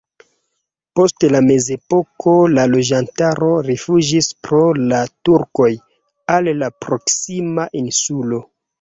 Post la mezepoko la loĝantaro rifuĝis pro la turkoj al la proksima insulo.